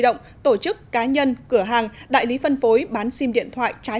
động tổ chức cá nhân cửa hàng đại lý phân phối bán sim điện thoại trái